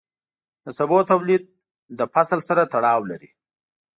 د سبو تولید له فصل سره تړاو لري.